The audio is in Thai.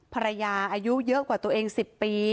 อายุเยอะกว่าตัวเอง๑๐ปี